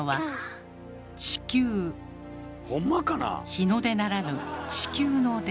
⁉日の出ならぬ地球の出。